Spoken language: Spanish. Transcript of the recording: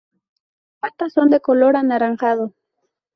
Patas son de color anaranjado.